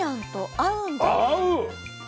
合う！